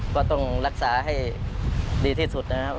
ก็ต้องรักษาให้ดีที่สุดนะครับ